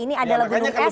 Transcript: ini adalah gunung es